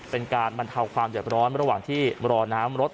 เป็นการบรรเทาความเดือดร้อนระหว่างที่รอน้ำรถ